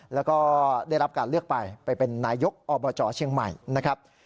แล้วก็ได้รับการเลือกไปไปเป็นนายกอบจเชียงใหม่นะครับ